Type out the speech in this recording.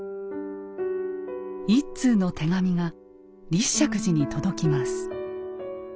１通の手紙が立石寺に届きます。